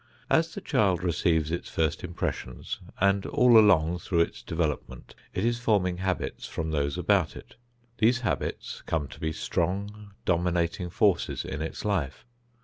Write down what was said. As the child receives its first impressions, and all along through its development, it is forming habits from those about it. These habits come to be strong, dominating forces in its life.